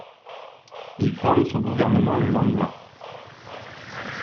Il forme son gouvernement le lendemain.